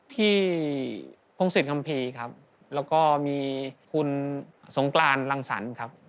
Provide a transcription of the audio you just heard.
พี่พงศิษยคัมภีร์ครับแล้วก็มีคุณสงกรานรังสรรค์ครับ